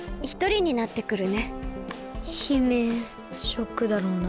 ショックだろうな。